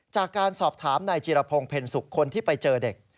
จากการสอบถามนายจีรพงศ์เพ็ญสุขคนที่ไปเจอเด็ก